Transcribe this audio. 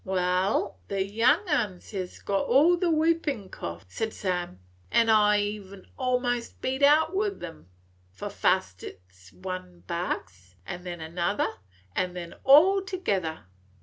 "Wal, the young uns hes all got the whoopin' cough," said Sam, "an' I 'm e'en a 'most beat out with 'em. For fust it 's one barks, an then another, an' then all together.